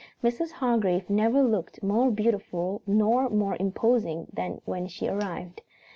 Mrs. Hargrave never looked more beautiful nor more imposing than when she arrived.